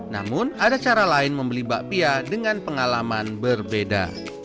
namun ada cara lain membeli bakpia dengan pengalaman berbeda